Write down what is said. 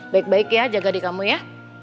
baik baik ya jaga di kamu ya